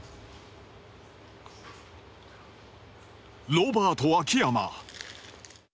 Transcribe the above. ロバート秋山。